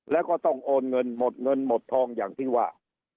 แล้วก็ต้องโอนเงินหมดเงินหมดทองอย่างที่ว่า